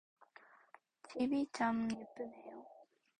집이 참 예쁘네요.